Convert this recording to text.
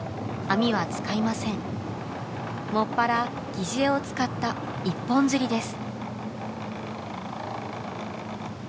専ら疑似餌を使った一本釣りです。